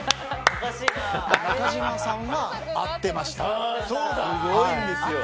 中島さんは合っていました。